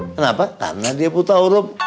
kenapa karena dia buta urup